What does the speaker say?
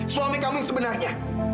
suami kamu yang sebenarnya